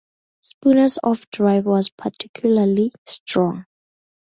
Spooner's off-drive was particularly strong.